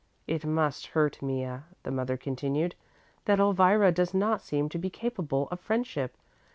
"It must hurt Mea," the mother continued, "that Elvira does not seem to be capable of friendship.